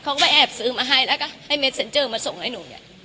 เขาก็ไปแอบซื้อมาให้แล้วก็ให้เม็ดเซ็นเจอร์มาส่งให้หนูเนี่ย